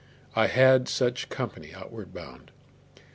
I had such company outward bound.